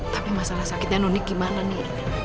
tapi masalah sakitnya nunik gimana nih